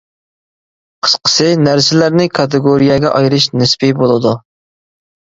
قىسقىسى، نەرسىلەرنى كاتېگورىيەگە ئايرىش نىسپىي بولىدۇ.